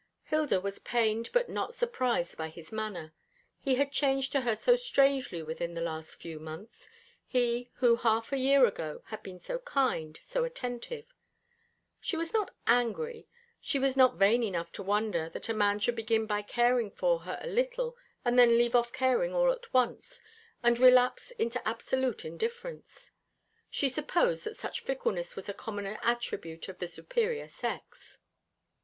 Hilda was pained but not surprised by his manner. He had changed to her so strangely within the last few months he who half a year ago had been so kind, so attentive. She was not angry she was not vain enough to wonder that a man should begin by caring for her a little, and then leave off caring all at once, and relapse into absolute indifference. She supposed that such fickleness was a common attribute of the superior sex.